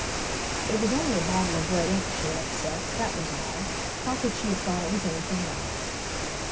It was only a bottle of red ink she had upset—that was all! How could she have thought it was anything else?